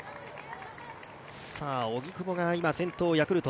荻久保が今、先頭、ヤクルト。